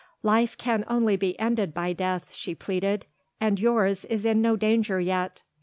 "Life can only be ended by death," she pleaded, "and yours is in no danger yet.